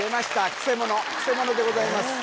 くせ者くせ者でございます